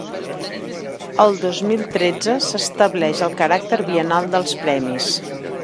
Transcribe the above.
El dos mil tretze s'estableix el caràcter biennal dels premis.